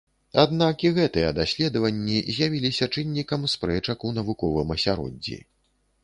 Аднак і гэтыя даследаванні з'явіліся чыннікам спрэчак у навуковым асяроддзі.